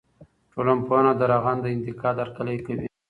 ټولنپوهنه د رغنده انتقاد هرکلی کوي.